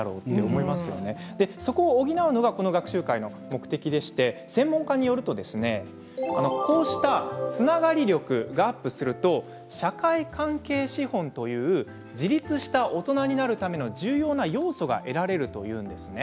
そこを補うのがこの学習会の目的でして専門家によるとこうしたつながり力がアップすると社会関係資本という自立した大人になるための重要な要素が得られるということなんです。